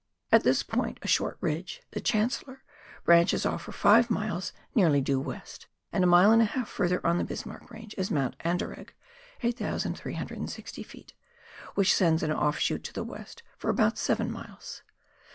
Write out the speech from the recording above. At this point, a short ridge, " The Chancellor," branches off for five miles nearly due west, and a mile and a half further on the Bismarck Range is Mount Anderegg (8,360 ft.), which sends an offshoot to the west for about seven miles.